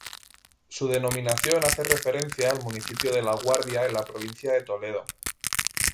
Su denominación hace referencia al municipio de La Guardia en la provincia de Toledo.